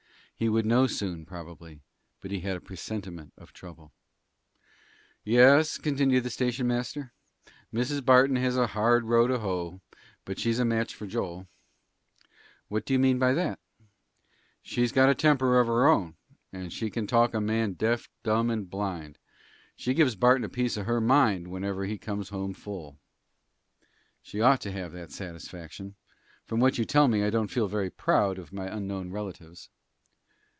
He would know soon, probably, but he had a presentiment of trouble. "Yes," continued the station master, "Mrs. Barton has a hard row to hoe; but she's a match for Joel." "What do you mean by that?" "She's got a temper of her own, and she can talk a man deaf, dumb, and blind. She gives Barton a piece of her mind whenever he comes home full." "She ought to have that satisfaction. From what you tell me, I don't feel very proud of my unknown relatives."